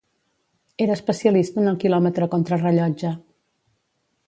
Era especialista en el quilòmetre contrarellotge.